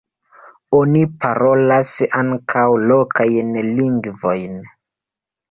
Oni parolas ankaŭ lokajn lingvojn.